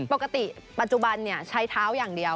ปกติปัจจุบันใช้เท้าอย่างเดียว